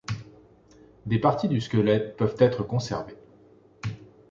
Des parties du squelette peuvent être conservées.